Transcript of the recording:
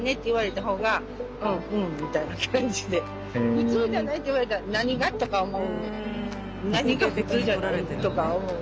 「普通じゃない」って言われたら「何が？」とか思う。とか思う。